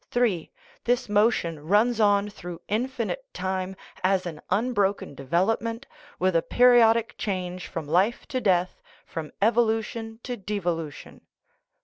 (3) This motion runs on through in finite time as an unbroken development, with a peri odic change from life to death, from evolution to devo lution.